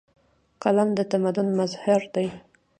قلم د تمدن مظهر دی.